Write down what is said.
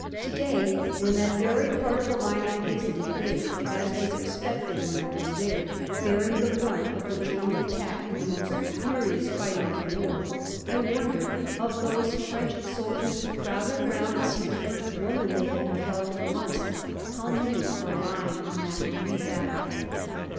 Today, when that very part of the line I visited is, as was expected when I was there, bearing the brunt of the German attack in the most furious fighting of the war, I wonder, of those French soldiers who crowded round to see the first woman they had beheld for months, how many are lying on that muddy battlefield?